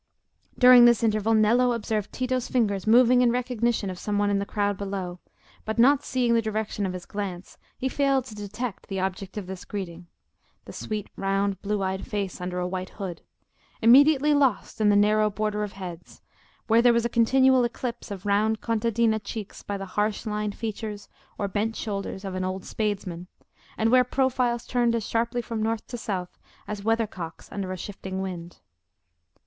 During this interval Nello observed Tito's fingers moving in recognition of some one in the crowd below, but not seeing the direction of his glance he failed to detect the object of this greeting—the sweet round blue eyed face under a white hood—immediately lost in the narrow border of heads, where there was a continual eclipse of round contadina cheeks by the harsh lined features or bent shoulders of an old spadesman, and where profiles turned as sharply from north to south as weathercocks under a shifting wind.